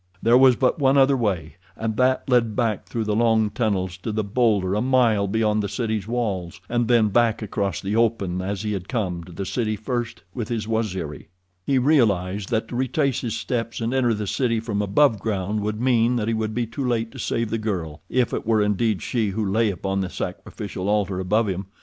There was but one other way, and that led back through the long tunnels to the bowlder a mile beyond the city's walls, and then back across the open as he had come to the city first with his Waziri. He realized that to retrace his steps and enter the city from above ground would mean that he would be too late to save the girl, if it were indeed she who lay upon the sacrificial altar above him.